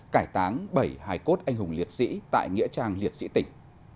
cải táng bảy hài cốt anh hùng liệt sĩ tại nghĩa trang liệt sĩ tỉnh